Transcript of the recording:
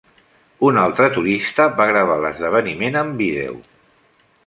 Un altre turista va gravar l'esdeveniment en vídeo.